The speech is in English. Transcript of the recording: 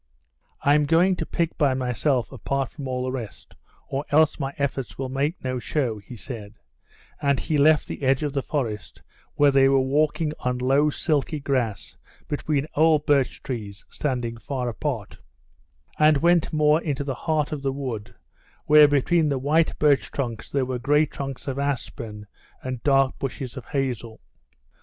"I'm going to pick by myself apart from all the rest, or else my efforts will make no show," he said, and he left the edge of the forest where they were walking on low silky grass between old birch trees standing far apart, and went more into the heart of the wood, where between the white birch trunks there were gray trunks of aspen and dark bushes of hazel.